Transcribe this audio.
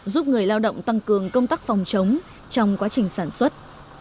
giúp người lao động tăng cường công tác phòng chống trong quá trình sản xuất